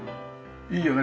いいよね。